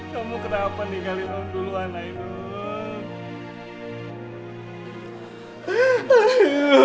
kamu kenapa ninggalin om duluan ainul